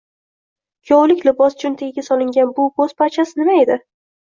Kuyovlik libosi cho'ntagiga solingan bu bo'z parchasi nima edi?